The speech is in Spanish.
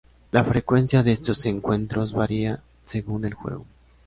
La frecuencia de estos encuentros varía según el juego.